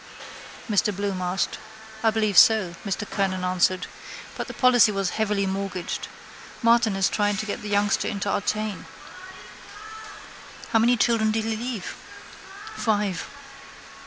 Mr Bloom asked. —I believe so, Mr Kernan answered. But the policy was heavily mortgaged. Martin is trying to get the youngster into Artane. —How many children did he leave? —Five.